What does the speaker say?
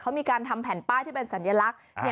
เขามีการทำแผ่นป้ายที่เป็นสัญลักษณ์